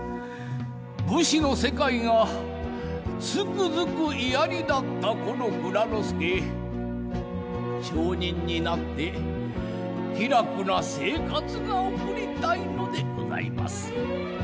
武士の世界がつくづく嫌になったこの内蔵助町人になって気楽な生活が送りたいのでございます。